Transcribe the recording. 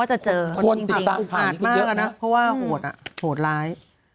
แต่เราเชื่อนะว่าจะเจอจริงอาจมากอะนะเพราะว่าโหดอะโหดร้าย